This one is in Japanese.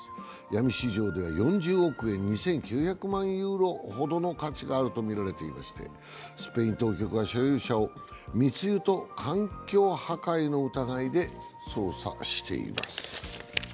闇市場では４０億円＝２９００万ユーロほどの価値があるとみられていましてスペイン当局は所有者を密輸と環境破壊の疑いで捜査しています。